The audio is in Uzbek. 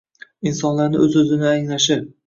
Insonlarni oʻz oʻzini anglashi